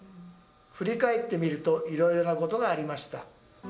振り返ってみるといろいろなことがありました。